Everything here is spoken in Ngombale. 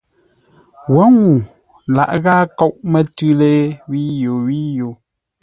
Wǒ ŋuu laghʼ ghâa nkóʼ mətʉ́ lée wíyo wíyo.